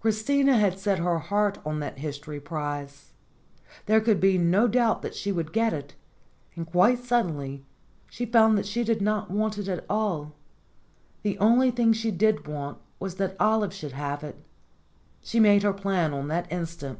Christina had set her heart on that history prize. There could be no doubt that she would get it, and quite suddenly she found that she did not want it at all ; the only thing she did want was that Olive should have it. She made her plan on the instant.